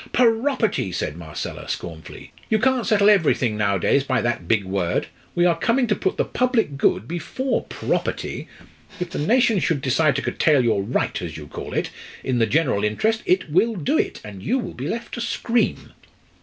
"Property!" said Marcella, scornfully. "You can't settle everything nowadays by that big word. We are coming to put the public good before property. If the nation should decide to curtail your 'right,' as you call it, in the general interest, it will do it, and you will be left to scream."